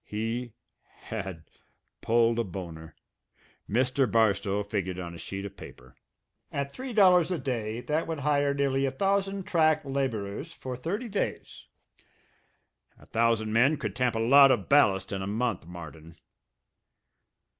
He had pulled a boner. Mr. Barstow figured on a sheet of paper. "At three dollars a day, that would hire nearly a thousand track labourers for thirty days. A thousand men could tamp a lot of ballast in a month, Martin."